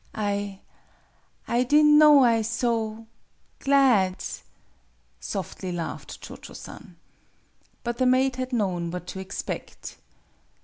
" I I di'n' know I so glad, " softly laughed Cho Cho San. But the maid had known what to expect.